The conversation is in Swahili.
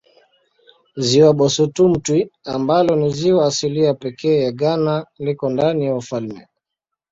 Ziwa Bosumtwi ambalo ni ziwa asilia pekee ya Ghana liko ndani ya ufalme.